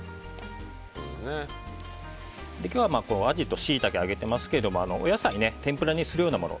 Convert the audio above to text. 今日はアジとシイタケを揚げていますけどお野菜、天ぷらにするようなもの